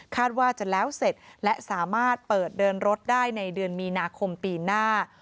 ว่าจะแล้วเสร็จและสามารถเปิดเดินรถได้ในเดือนมีนาคมปีหน้า